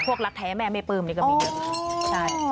รักแท้แม่ไม่ปลื้มนี่ก็มีเยอะ